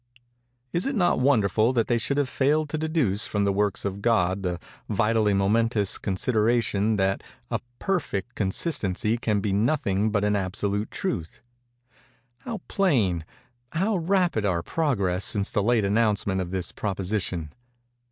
Is it not wonderful that they should have failed to deduce from the works of God the vitally momentous consideration that a perfect consistency can be nothing but an absolute truth? How plain—how rapid our progress since the late announcement of this proposition!